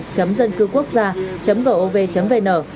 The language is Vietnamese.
chấm dân cư quốc gia chấm gov vn